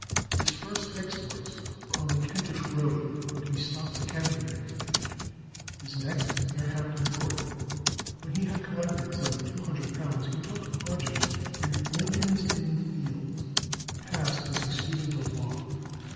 His first exploits were on the Kentish road, when he stopped the Canterbury stage; his next near Hampton Court. When he had collected some £200 he took lodgings in Lincoln's Inn Fields and passed as a student of law.